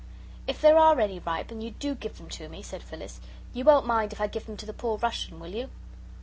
"If there are any ripe, and you DO give them to me," said Phyllis, "you won't mind if I give them to the poor Russian, will you?"